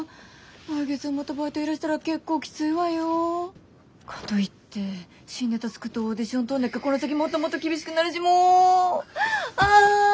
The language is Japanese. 来月もまたバイト減らしたら結構キツいわよ。かといって新ネタ作ってオーディション通んなきゃこの先もっともっと厳しくなるしもうあ。